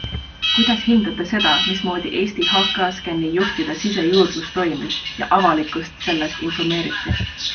Kuidas hindate seda, mismoodi Eesti HKScani juhtide sisejuurdlus toimus ja avalikkust sellest informeeriti?